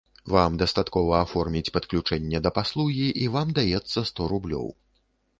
Вам дастаткова аформіць падключэнне да паслугі, і вам даецца сто рублёў.